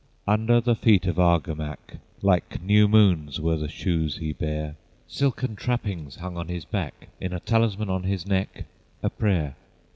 Under the feet of Argamack, Like new moons were the shoes he bare, Silken trappings hung on his back, In a talisman on his neck, a prayer.